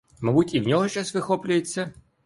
Мабуть, і в нього щось вихоплюється?